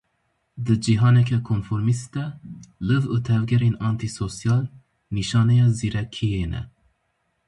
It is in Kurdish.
Di cîhaneke konformîst de liv û tevgerên antî-sosyal, nîşaneya zîrekiyê ne.